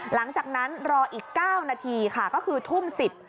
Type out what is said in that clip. หลังจากนั้นรออีก๙นาทีค่ะก็คือทุ่ม๑๐